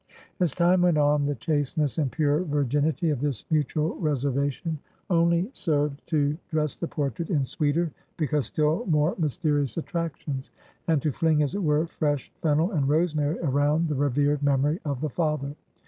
As time went on, the chasteness and pure virginity of this mutual reservation, only served to dress the portrait in sweeter, because still more mysterious attractions; and to fling, as it were, fresh fennel and rosemary around the revered memory of the father.